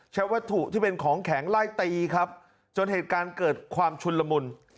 ใช้วัตถุที่เป็นของแข็งไล่ตีครับจนเหตุการณ์เกิดความชุนละมุน